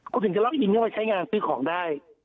คุณถึงจะล็อกอินเข้าไปใช้งานซื้อของได้